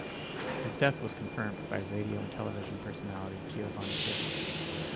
His death was confirmed by radio and television personality Giovani Caleb.